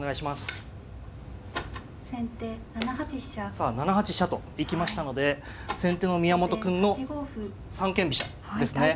さあ７八飛車と行きましたので先手の宮本くんの三間飛車ですね。